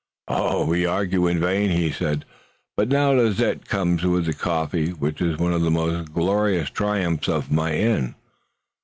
"We argue in vain," he said. "But now Lizette comes with the coffee, which is one of the most glorious triumphs of my inn.